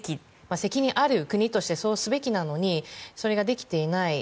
責任ある国としてそうすべきなのにそれができていない。